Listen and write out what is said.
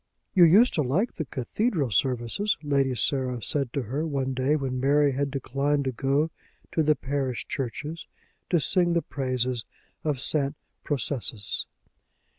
"You used to like the cathedral services," Lady Sarah said to her, one day, when Mary had declined to go to the parish church, to sing the praises of St. Processus.